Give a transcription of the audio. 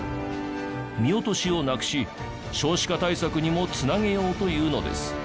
見落としをなくし少子化対策にも繋げようというのです。